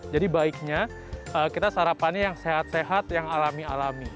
jadi baiknya kita sarapannya yang sehat sehat yang alami alami